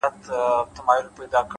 اخلاق د انسان خاموش شهرت دی،